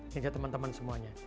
kerja teman teman semuanya